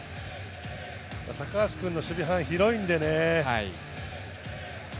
高橋君の守備範囲が広いのでね。